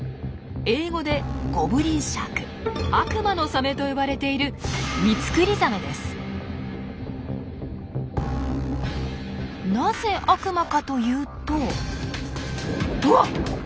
英語で「ゴブリンシャーク」「悪魔のサメ」と呼ばれているなぜ悪魔かというとうわ！